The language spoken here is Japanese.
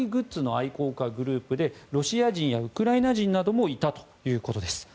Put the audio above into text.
愛好家グループでロシア人やウクライナ人などもいたということです。